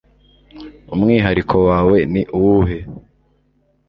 umwihariko wawe ni uwuhe